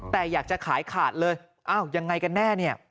แต่อยากจะขายขาดเลยอ้าวยังไงกันแน่เนี่ย